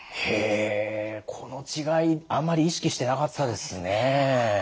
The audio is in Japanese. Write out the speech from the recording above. この違いあんまり意識してなかったですね。